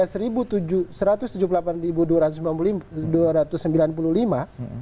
ke angka delapan dua ratus sembilan puluh lima